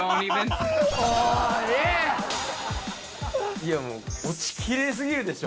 いやもう、オチきれいすぎるでしょ。